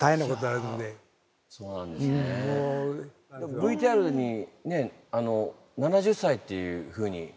ＶＴＲにねえ７０歳っていうふうに。